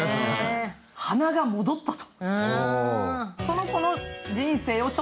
鼻が戻ったと。